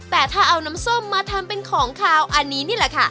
แต่ถ้าเอาน้ำส้มมาทำเป็นของขาวอันนี้นี่แหละค่ะ